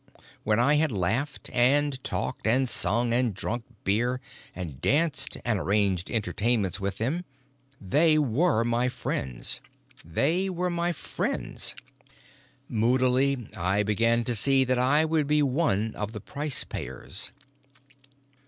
When I had laughed and talked and sung and drunk beer and danced and arranged entertainments with them, they were my friends. Moodily, I began to see that I would be one of the price payers.